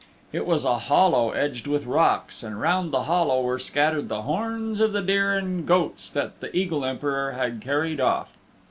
It was a hollow edged with rocks, and round that hollow were scattered the horns of the deer and goats that the Eagle Emperor had carried off.